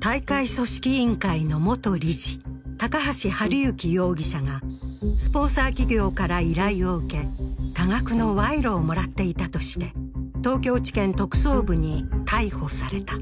大会組織委員会の元理事高橋治之容疑者がスポンサー企業から依頼を受け、多額の賄賂を受けとったとして東京地検特捜部に逮捕された。